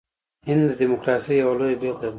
هند د ډیموکراسۍ یوه لویه بیلګه ده.